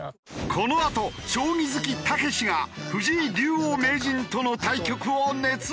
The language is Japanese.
このあと将棋好きたけしが藤井竜王・名人との対局を熱望！